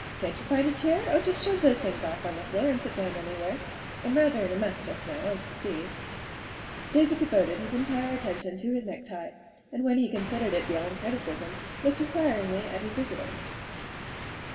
" Can't you find a chair? Oh, just shove those things off on the floor and sit down anywhere. I'm rather in a mess just now, as you see. '' David devoted his entire attention to his necktie, and when he considered it beyond criticism looked in quiringly at his visitor.